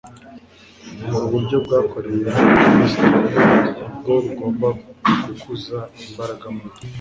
Ubwo buryo bwakoreye muri Kristo ni bwo bugomba gukuza imbaraga muri twe